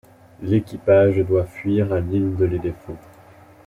L'équipage doit fuir à l'île de l'Éléphant.